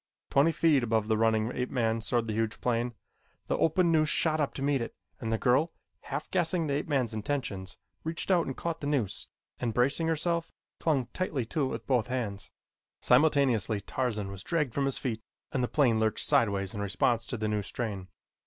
Twenty feet above the running ape man soared the huge plane. The open noose shot up to meet it, and the girl, half guessing the ape man's intentions, reached out and caught the noose and, bracing herself, clung tightly to it with both hands. Simultaneously Tarzan was dragged from his feet and the plane lurched sideways in response to the new strain.